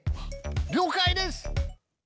了解です。